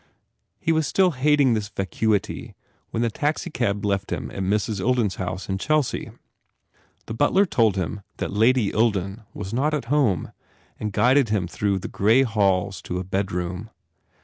He was still hating this vacuity when the taxi cab left him at Mrs. Ilden s house in Chelsea. The butler told him that "Lady Ilden" was not at 114 MARGOT home and guided him through grey halls to a bedroom.